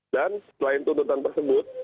dan selain tuntutan tersebut